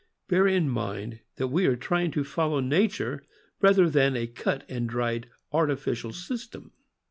Bear in mind that we are trying to follow nature, rather than a cut and dried artificial system.